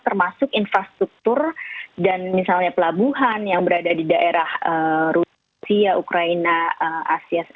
termasuk infrastruktur dan misalnya pelabuhan yang berada di daerah rusia ukraina asia